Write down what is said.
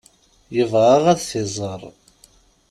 Yebɣa ad t-iẓer.